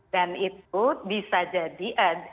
dan itu bisa jadi